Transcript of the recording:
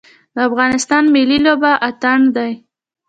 د افغانستان ملي لوبه اتن دی